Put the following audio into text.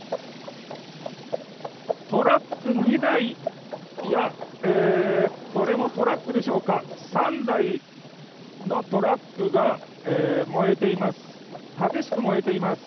トラック２台いや、これもトラックでしょうか３台のトラックが燃えています。